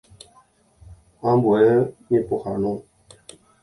Ambue ñepohãno.